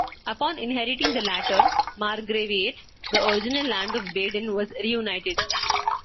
Upon inheriting the latter margraviate, the original land of Baden was reunited.